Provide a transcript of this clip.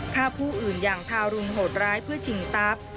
ฆ่าผู้อื่นอย่างทารุณโหดร้ายเพื่อชิงทรัพย์